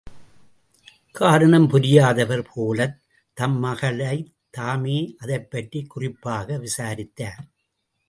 காரணம் புரியாதவர் போலத் தம் மகளைத் தாமே அதைப் பற்றிக் குறிப்பாக விசாரித்தார்.